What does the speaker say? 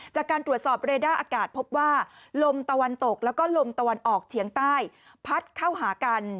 จากการตรวจสอบเรด้าอากาศพบว่าลมตะวันตกแล้วก็ลมตะวันออกเฉียงใต้พัดเข้าหากัน